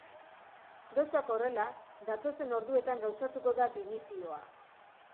Gauzak horrela, datozen orduetan gauzatuko da dimisioa.